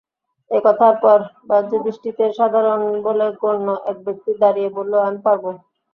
এ কথার পর বাহ্যদৃষ্টিতে সাধারণ বলে গণ্য এক ব্যক্তি দাঁড়িয়ে বলল—আমি পারব।